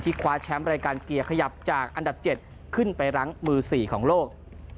คว้าแชมป์รายการเกียร์ขยับจากอันดับ๗ขึ้นไปรั้งมือ๔ของโลก